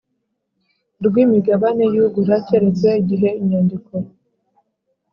rw imigabane y ugura keretse igihe inyandiko